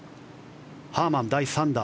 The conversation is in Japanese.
ハーマン、第３打。